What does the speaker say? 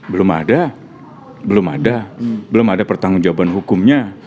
belum ada belum ada belum ada pertanggung jawaban hukumnya